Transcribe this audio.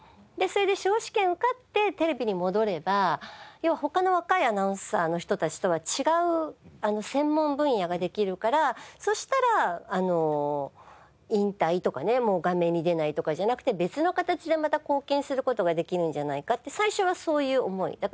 でそれで司法試験受かってテレビに戻れば要は他の若いアナウンサーの人たちとは違う専門分野ができるからそしたら引退とかねもう画面に出ないとかじゃなくて別の形でまた貢献する事ができるんじゃないかって最初はそういう思い。